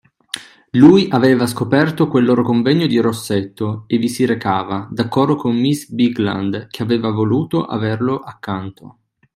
Lui aveva scoperto quel loro convegno di Rosetto e vi si recava, d’accordo con miss Bigland, che aveva voluto averlo accanto.